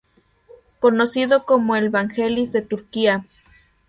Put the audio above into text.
Conocido como el "Vangelis de Turquía".